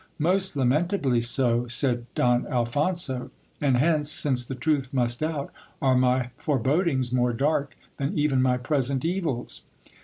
Most lamentably so, said Don Alphonso ; and hence, since the truth must out, are my forebodings more dark than even my present evils.